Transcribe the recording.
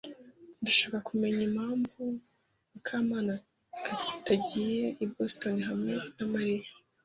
Ndashaka kumenya impamvu Mukamana atagiye i Boston hamwe na Mariya.